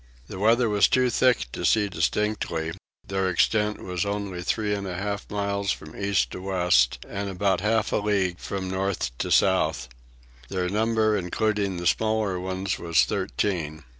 The weather was too thick to see distinctly: their extent was only 3 1/2 miles from east to west and about half a league from north to south: their number including the smaller ones was thirteen.